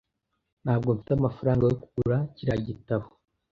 Ntabwo mfite amafaranga yo kugura kiriya gitabo.